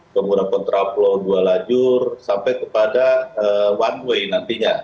pengguna kontraplot dua lajur sampai kepada one way nantinya